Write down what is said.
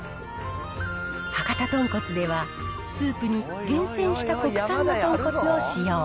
博多とんこつでは、スープに厳選した国産の豚骨を使用。